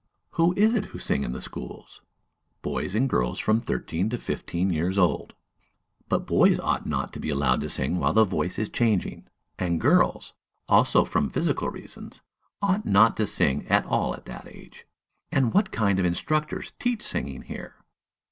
Who is it who sing in the schools? Boys and girls from thirteen to fifteen years old. But boys ought not to be allowed to sing while the voice is changing; and girls, also from physical reasons, ought not to sing at all at that age. And what kind of instructors teach singing here?